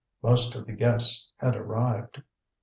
Most of the guests had arrived.